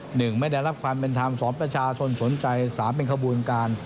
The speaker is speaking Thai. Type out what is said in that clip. หนึ่งไม่ได้รับความเป็นธรรมสองประชาชนสนใจสามเป็นขบวนการ